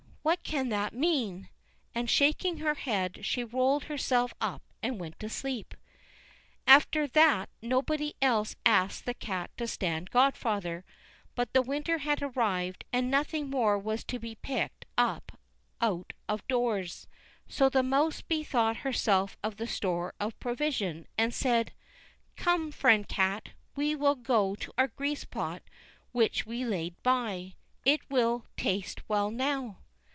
_ What can that mean?" and, shaking her head, she rolled herself up and went to sleep. After that nobody else asked the cat to stand godfather; but the winter had arrived, and nothing more was to be picked up out of doors; so the mouse bethought herself of their store of provision, and said, "Come, friend cat, we will go to our grease pot which we laid by; it will taste well now."